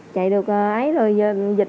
chạy được ấy rồi dịch